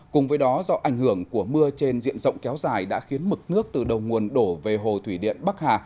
cùng với đó do ảnh hưởng của mưa trên diện rộng kéo dài đã khiến mực nước từ đầu nguồn đổ về hồ thủy điện bắc hà